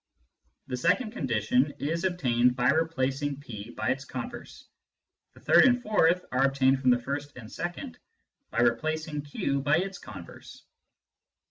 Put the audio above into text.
The second condition is obtained by replacing P by its converse ; the third and fourth are obtained from the first and second by replacing Q by its converse.